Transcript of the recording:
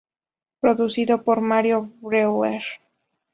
Producido por Mario Breuer.